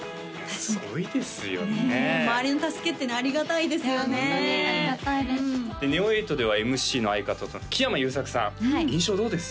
すごいですよねねえ周りの助けってねありがたいですよねいやホントにありがたいですでＮＥＯ８ではＭＣの相方木山裕策さん印象どうです？